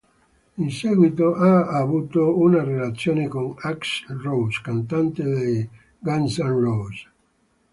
In seguito ha avuto una relazione con Axl Rose, cantante dei Guns N' Roses.